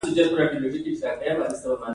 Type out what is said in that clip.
نهه پنځوسم سوال د وظیفې د تحلیل په اړه دی.